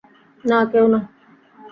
না, কেউ না।